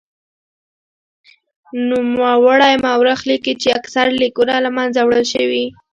نوموړی مورخ لیکي چې اکثر لیکونه له منځه وړل شوي.